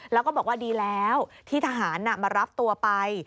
แล้วก็บอกว่าดีแล้วที่ทหารมารับตัวไป